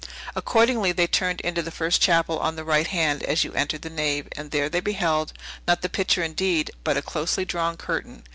Accordingly, they turned into the first chapel on the right hand, as you enter the nave; and there they beheld, not the picture, indeed, but a closely drawn curtain.